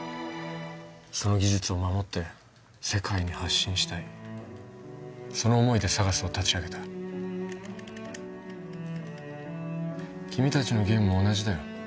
その技術を守って世界に発信したいその思いでＳＡＧＡＳを立ち上げた君達のゲームも同じだよ